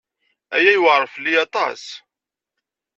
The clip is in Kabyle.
Aya yewɛeṛ fell-i aṭas.